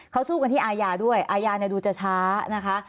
เขาสู้กันที่อาญาด้วยอาญาดูจะช้านะคะ